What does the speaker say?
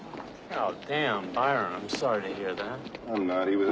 ああ。